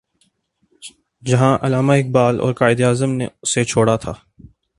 جہاں علامہ اقبال اور قائد اعظم نے اسے چھوڑا تھا۔